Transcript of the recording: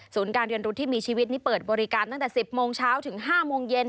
การเรียนรู้ที่มีชีวิตนี้เปิดบริการตั้งแต่๑๐โมงเช้าถึง๕โมงเย็น